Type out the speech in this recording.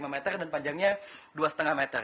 lima meter dan panjangnya dua lima meter